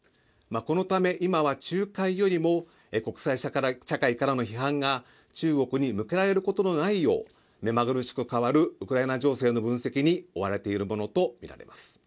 このため今は仲介よりも国際社会からの批判が中国に向けられることのないようめまぐるしく変わるウクライナ情勢の分析に追われているものとみられます。